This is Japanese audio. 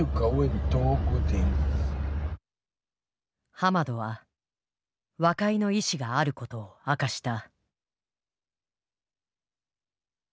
ハマドは和解の意思があることを明かした。